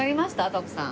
徳さん。